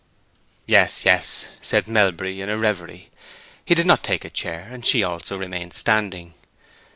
"Yes, yes," said Melbury, in a reverie. He did not take a chair, and she also remained standing.